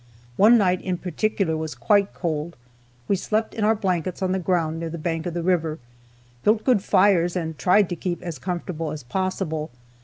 One night in particular was quite cold. We slept in our blankets on the ground near the bank of the river, built good fires, and tried to keep as comfortable as possible.